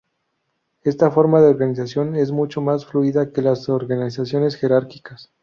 Esta forma de organización es mucho más fluida que las organizaciones jerárquicas.